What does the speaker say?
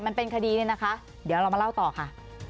มันเป็นคดีเนี่ยนะคะเดี๋ยวเรามาเล่าต่อค่ะ